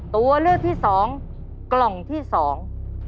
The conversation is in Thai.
ตัวเลือกที่สองกล่องที่สอง